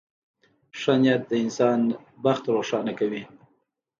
• ښه نیت د انسان بخت روښانه کوي.